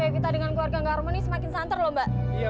kita dengan keluarga harmoni semakin santai lomba